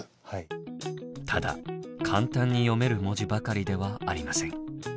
ただ簡単に読める文字ばかりではありません。